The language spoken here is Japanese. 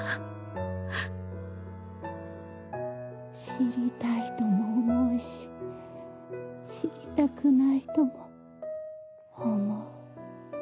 知りたいとも思うし知りたくないとも思う。